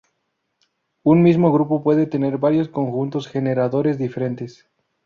Un mismo grupo puede tener varios conjuntos generadores diferentes.